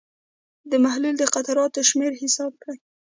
د محلول د قطراتو شمېر حساب کړئ.